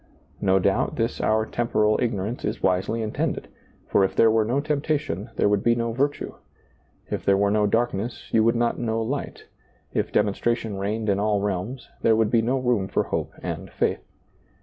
No doubt, this our temporal ignorance is wisely intended; for if there were no temptation there would be no virtue ; if there were no darkness you would not know light ; if demonstration reigned in all realms, there would be no room for hope and faith.